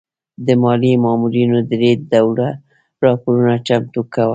د مالیې مامورینو درې ډوله راپورونه چمتو کول.